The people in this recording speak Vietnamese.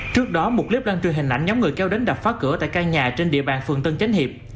trước đó một clip đăng truyền hình ảnh nhóm người kêu đến đập phá cửa tại căn nhà trên địa bàn phường tân chánh hiệp